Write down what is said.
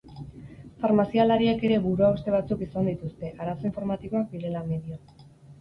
Farmazialariek ere buruhauste batzuk izan dituzte, arazo informatikoak direla medio.